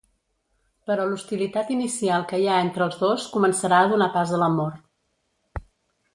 Però l'hostilitat inicial que hi ha entre els dos començarà a donar pas a l'amor.